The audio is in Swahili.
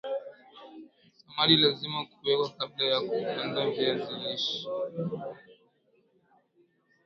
samadi lazima kuwekwa kabla ya kuanda viazi lishe